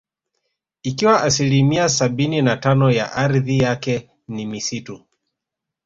Ikiwa asilimia sabini na tano ya ardhi yake ni misitu